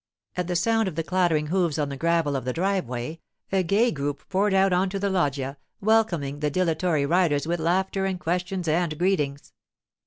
At the sound of the clattering hoofs on the gravel of the driveway a gay group poured out on to the loggia, welcoming the dilatory riders with laughter and questions and greetings.